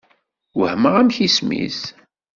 Wehmeɣ amek isem-is.